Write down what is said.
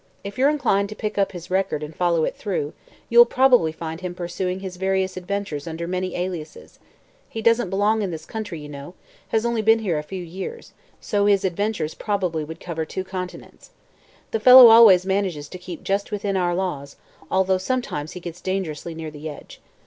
If you're inclined to pick up his record and follow it through, you'll probably find him pursuing his various adventures under many aliases. He doesn't belong in this country, you know, has only been here a few years, so his adventures would probably cover two continents. The fellow always manages to keep just within our laws, although sometimes he gets dangerously near the edge.